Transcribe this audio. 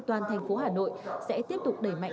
thành phố hà nội sẽ tiếp tục đẩy mạnh